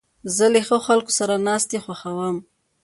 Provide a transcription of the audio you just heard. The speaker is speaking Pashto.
زه له ښو خلکو سره ناستې خوښوم.